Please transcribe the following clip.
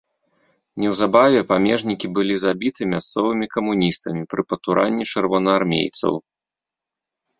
Неўзабаве памежнікі былі забіты мясцовымі камуністамі пры патуранні чырвонаармейцаў.